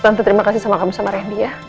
tante terima kasih sama kamu sama rendy ya